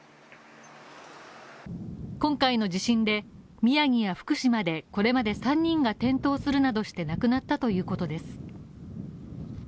今回の地震で宮城や福島でこれまで３人が転倒するなどして亡くなったということです。